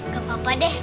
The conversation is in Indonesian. gak apa apa deh